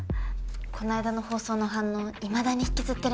この間の放送の反応いまだに引きずってるみたいです。